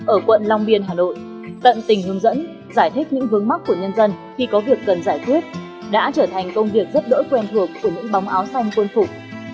ở quận long biên hà nội tận tình hướng dẫn giải thích những vướng mắc của nhân dân khi có việc cần giải quyết đã trở thành công việc rất đỗi quen thuộc của những bóng áo xanh quân phục